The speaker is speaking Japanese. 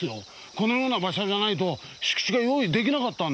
このような場所じゃないと敷地が用意出来なかったんですよ。